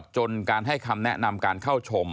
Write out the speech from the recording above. จนการให้คำแนะนำการเข้าชม